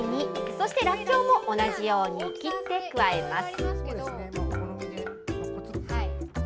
そしてらっきょうも同じように切って加えます。